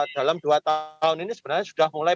dalam dua tahun ini sebenarnya sudah mulai